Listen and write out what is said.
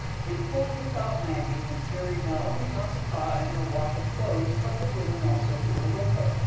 They pulled without nagging, and carried not only Nausicaa and her wash of clothes, but the women also who were with her.